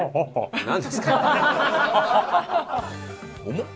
重っ！